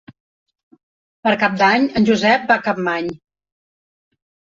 Per Cap d'Any en Josep va a Capmany.